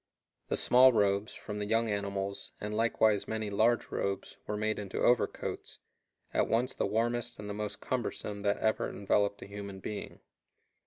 The small robes, from the young animals, and likewise many large robes, were made into overcoats, at once the warmest and the most cumbersome that ever enveloped a human being.